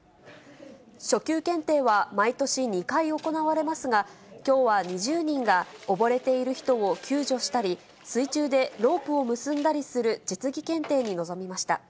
初級検定は毎年２回行われますが、きょうは２０人が溺れている人を救助したり、水中でロープを結んだりする実技検定に臨みました。